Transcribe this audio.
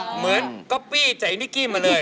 เหมือนก็ปี้ใจนิกกี้มาเลย